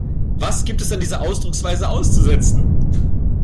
Was gibt es an dieser Ausdrucksweise auszusetzen?